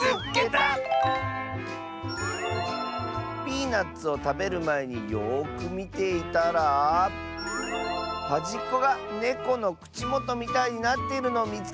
「ピーナツをたべるまえによくみていたらはじっこがネコのくちもとみたいになっているのをみつけた！」。